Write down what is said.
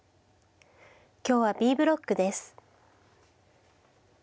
今日はＢブロックです。